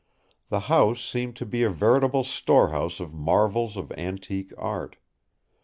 The house seemed to be a veritable storehouse of marvels of antique art.